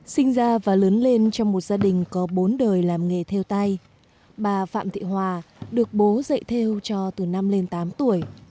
sinh ra và lớn lên trong một gia đình có bốn đời làm nghề theo tay bà phạm thị hòa được bố dạy theo cho từ năm lên tám tuổi